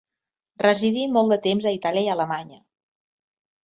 Residí molt de temps a Itàlia i Alemanya.